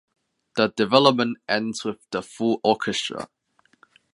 The development ends with the full orchestra.